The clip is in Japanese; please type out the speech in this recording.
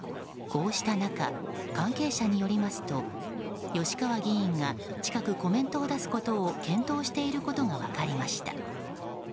こうした中関係者によりますと吉川議員が近くコメントを出すことを検討していることが分かりました。